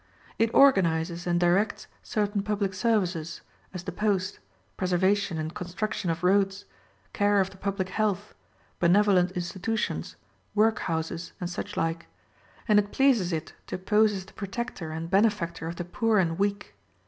It organizes and directs certain public services, as the post, preservation and construction of roads, care of the public health, benevolent institutions, workhouses and such like; and it pleases it to pose as the protector and benefactor of the poor and weak.